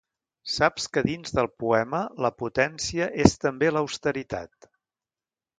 Saps que dins del poema la potència és també l’austeritat.